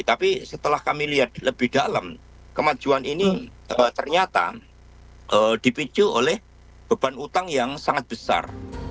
tapi setelah kami lihat lebih dalam kemajuan ini ternyata dipicu oleh beban utang yang sangat besar